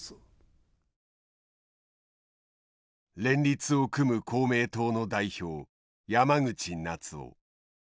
連立を組む公明党の代表山口那津男。